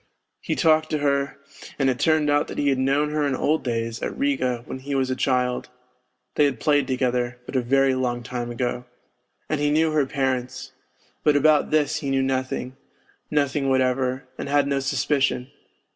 He had talked to her, and it turned out that he had known her in old days at Riga when he was a child, they had played together, but a very long time ago and he knew her parents, but about this he knew nothing, nothing whatever, and had no suspicion